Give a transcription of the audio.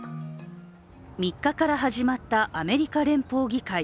３日から始まったアメリカ連邦議会。